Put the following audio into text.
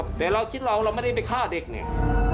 แต่เราคิดเราเราไม่ได้ไปฆ่าเด็กเนี่ย